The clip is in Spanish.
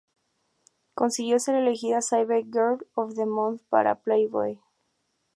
Consiguió ser elegida Cyber Girl of the Month para Playboy.